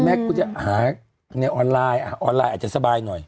กูจะหาในออนไลน์ออนไลน์อาจจะสบายหน่อย